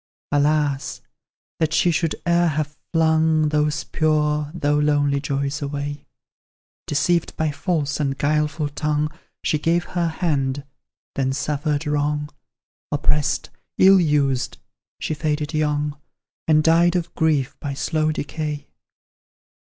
Alas! that she should e'er have flung Those pure, though lonely joys away Deceived by false and guileful tongue, She gave her hand, then suffered wrong; Oppressed, ill used, she faded young, And died of grief by slow decay.